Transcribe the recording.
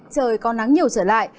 trời có nắng nhiều trở lại